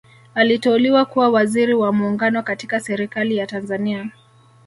aliteuliwa kuwa waziri wa muungano katika serikali ya tanzania